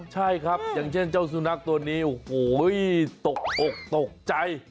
ใช่ครับอย่างเช่นเจ้าสุนัขตัวนี้โอ้โหตกอกตกใจ